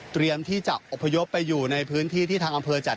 เตรียมที่จะอพยพไปอยู่ในพื้นที่ทางอำเภอจัดให้